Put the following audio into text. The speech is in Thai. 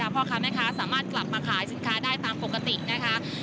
พ่อค้าแม่ค้าสามารถกลับมาขายสินค้าได้ตามปกตินะคะ